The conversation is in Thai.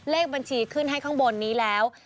เลขบัญชีขึ้นให้ข้างบนนี้แล้ว๙๔๕๑๐๓๑๑๕๔